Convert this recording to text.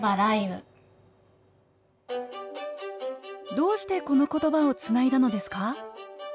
どうしてこの言葉をつないだのですか？